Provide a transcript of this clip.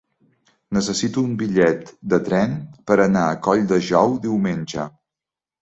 Necessito un bitllet de tren per anar a Colldejou diumenge.